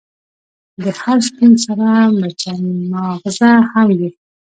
د هر شپون سره مچناغزه هم وی.